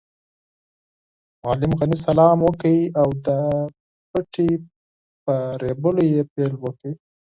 معلم غني سلام وکړ او د پټي په رېبلو یې پیل وکړ.